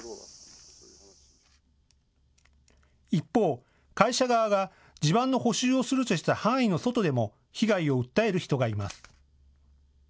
一方、会社側が地盤の補修をするとした範囲の外でも被害を訴える人がいます。